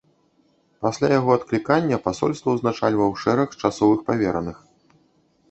Пасля яго адклікання пасольства ўзначальваў шэраг часовых павераных.